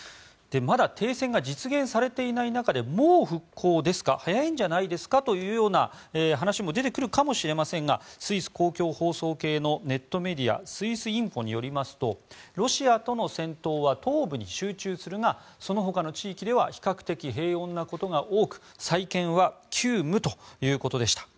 まだ停戦が実現されていない中でもう復興ですか早いんじゃないですかというような話も出てくるかもしれませんがスイス公共放送系のネットメディアスイスインフォによりますとロシアとの戦闘は東部に集中するがそのほかの地域では比較的平穏なことが多く再建は急務ということでした。